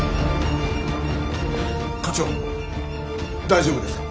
課長大丈夫ですか？